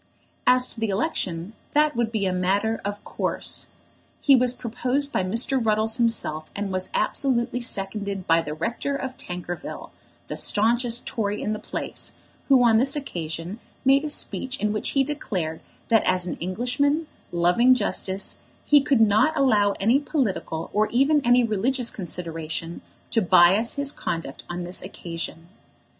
As to the election, that would be a matter of course. He was proposed by Mr. Ruddles himself, and was absolutely seconded by the rector of Tankerville, the staunchest Tory in the place, who on this occasion made a speech in which he declared that as an Englishman, loving justice, he could not allow any political or even any religious consideration to bias his conduct on this occasion.